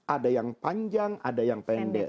ada yang panjang ada yang pendek